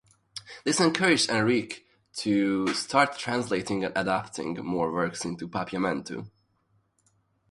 This encouraged Henriquez to start translating and adapting more works into Papiamentu.